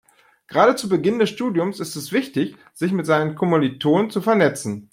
Gerade zu Beginn des Studiums ist es wichtig, sich mit seinen Kommilitonen zu vernetzen.